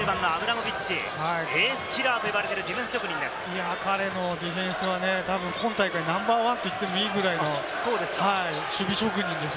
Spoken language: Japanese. ３０番のアブラモビッチ、エースキラーと呼ばれるディフェンス職彼のディフェンスは今大会ナンバーワンと言ってもいいぐらいです。